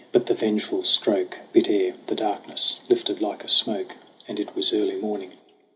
But the vengeful stroke Bit air. The darkness lifted like a smoke And it was early morning.